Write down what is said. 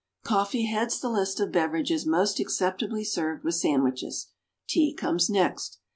= Coffee heads the list of beverages most acceptably served with sandwiches. Tea comes next.